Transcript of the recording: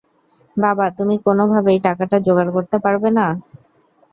বাবা, তুমি কোন ভাবেই টাকাটা জোগাড় করতে পারবে না?